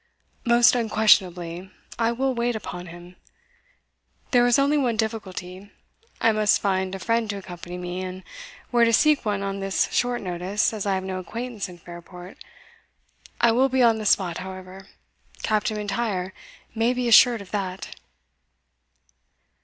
"Most unquestionably, I will wait upon him. There is only one difficulty I must find a friend to accompany me, and where to seek one on this short notice, as I have no acquaintance in Fairport I will be on the spot, however Captain M'Intyre may be assured of that."